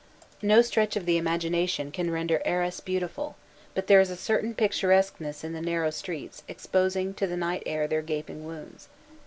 No stretch of the imagination can render Arras beautiful; but there is a certain picturesqueness in the narrow streets exposing to the night their gaping wounds.